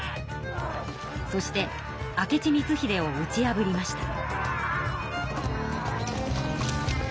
そして明智光秀を打ち破りました。